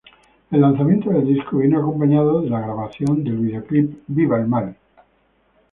El lanzamiento del disco vino acompañado de la grabación del videoclip Viva el Mal.